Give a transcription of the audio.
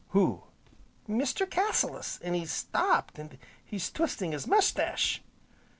"Who?" "Mr. Cassilis. An' he's stopped, an' he's twisting his mestache."